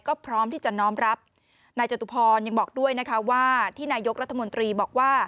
ก็พร้อมที่จะน้อมรับ